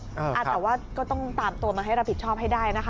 คุณผู้ชมแต่จำว่าต้องตามตัวมาให้รับผิดชอบให้ได้